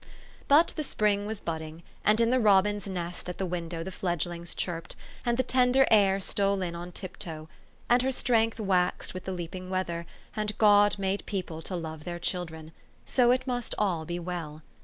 But the spring was budding ; and in the robins' nest at the window the fledglings chirped ; and the tender air stole in on tiptoe ; and her strength waxed with the leaping weather ; and God made people to love their children : so it must all be well.